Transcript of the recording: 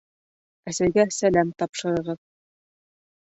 Әсәйгә сәләм тапшырығыҙ